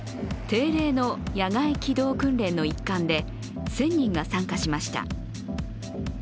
定例の野外機動訓練の一環で、１０００人が参加しました。